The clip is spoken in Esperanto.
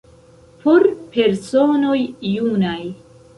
Por personoj junaj!